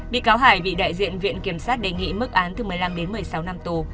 bị cáo hải bị đại diện viện kiểm sát đề nghị mức án từ một mươi năm đến một mươi sáu năm tù